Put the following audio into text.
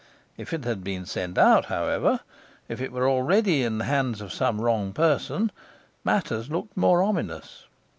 If it had been sent out, however, if it were already in the hands of some wrong person, matters looked more ominous.